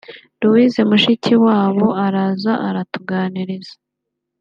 Louise Mushikiwabo araza aratuganiriza